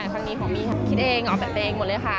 ครั้งนี้ของมีคิดเองออกแบบเองหมดเลยค่ะ